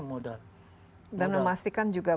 modal dan memastikan juga